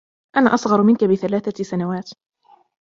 أنا أصغر منك بثلاثة سنوات.